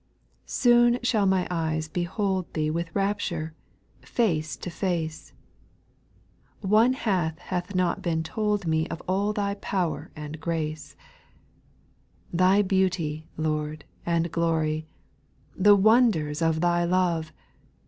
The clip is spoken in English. SPIRITUAL SONGS, 116 8. Soon shall my eyes behold Thee With rapture, face to face ; One half hath not been told me Of all Thy power and grace ; Thy beauty, Lord, and glory, The wonders of Thy loye.